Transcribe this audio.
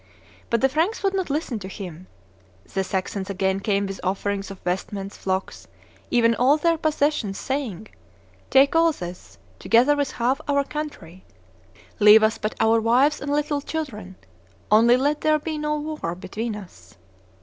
But the Franks would not listen to him. The Saxons again came with offerings of vestments, flocks, even all their possessions, saying, 'Take all this, together with half our country; leave us but our wives and little children; only let there be no war between us.